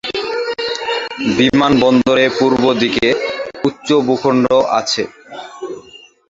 বিমানবন্দরের পূর্ব দিকে উচ্চ ভূখণ্ড আছে।